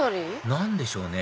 何でしょうね？